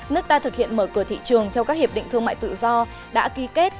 nước ta thực hiện mở cửa thị trường theo các hiệp định thương mại tự do đã ký kết